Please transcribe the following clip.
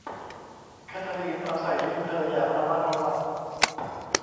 แคททาลีนเอาใส่ลิ้นเธออย่างระมัดระวัง